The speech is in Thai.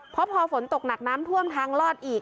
เพราะพอฝนตกหนักน้ำท่วมทางลอดอีก